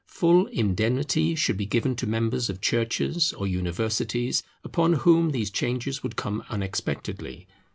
Full indemnity should be given to members of Churches or Universities, upon whom these changes would come unexpectedly.